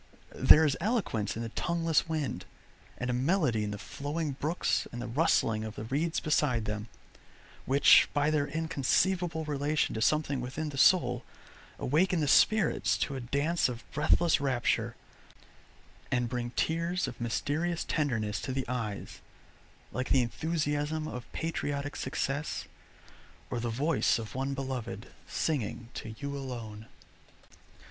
There is eloquence in the tongueless wind, and a melody in the flowing brooks and the rustling of the reeds beside them, which by their inconceivable relation to something within the soul, awaken the spirits to a dance of breathless rapture, and bring tears of mysterious tenderness to the eyes, like the enthusiasm of patriotic success, or the voice of one beloved singing to you alone.